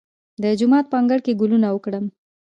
د جومات په انګړ کې ګلونه وکرم؟